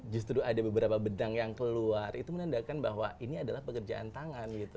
justru ada beberapa bedang yang keluar itu menandakan bahwa ini adalah pekerjaan tangan gitu